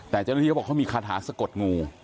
แต่เจ้าหน้าที่เขาบอกเขามีคาถาสะกดงู